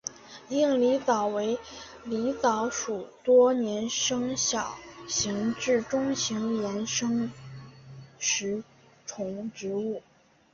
硬狸藻为狸藻属多年生小型至中型岩生食虫植物。